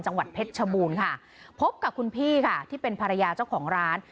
จังหวัดเพชรชบูรณ์ค่ะพบกับคุณพี่ค่ะที่เป็นภรรยาเจ้าของร้าน